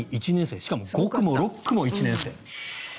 しかも５区も６区も１年生。